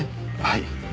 はい。